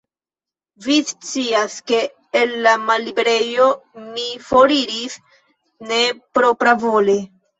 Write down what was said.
Vi scias, ke el la malliberejo mi foriris ne propravole.